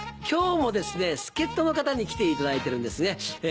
今日もですね助っ人の方に来ていただいてるんですね。